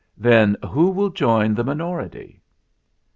"Then who will join the minority?"